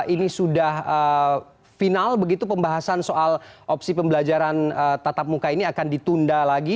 ini sudah final begitu pembahasan soal opsi pembelajaran tatap muka ini akan ditunda lagi